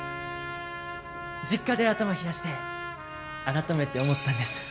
実家で頭冷やして改めて思ったんです。